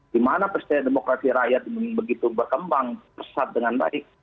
di mana persediaan demokrasi rakyat begitu berkembang pesat dengan baik